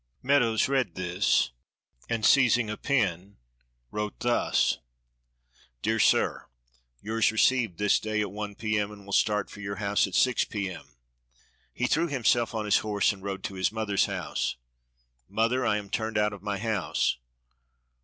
Meadows read this and seizing a pen wrote thus: "DEAR SIR Yours received this day at 1 p.m., and will start for your house at 6 P.M." He threw himself on his horse and rode to his mother's house. "Mother, I am turned out of my house."